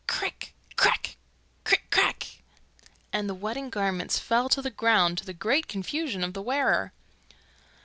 'Crick! crack! Crick! crack!' and the wedding garments fell to the ground, to the great confusion of the wearer.